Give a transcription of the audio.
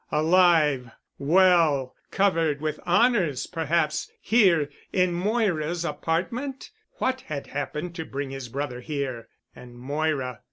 Alive—well, covered with honors perhaps—here—in Moira's apartment? What had happened to bring his brother here? And Moira